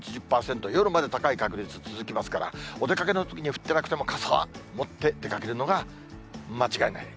８０％、夜まで高い確率続きますから、お出かけのときに降ってなくても、傘は持って出かけるのが、間違いない。